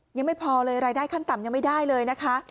ยังไม่พอเลยรายได้ขั้นต่ำยังไม่ได้เลยนะคะ